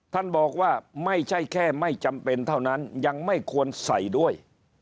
ท่านบอกว่าไม่ใช่แค่ไม่จำเป็นเท่านั้นยังไม่ควรใส่ด้วย